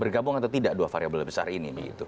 gabung atau tidak dua variabel besar ini